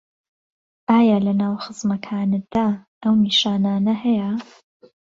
ئایا لەناو خزمەکانتدا ئەو نیشانانه هەیە